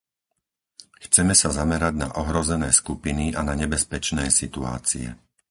Chceme sa zamerať na ohrozené skupiny a na nebezpečné situácie.